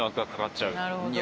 なるほど。